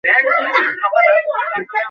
ছাঁচ তৈরির পদ্ধতি টি বেশ মজার।